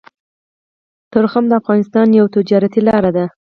تورخم د افغانستان يوه تجارتي لاره ده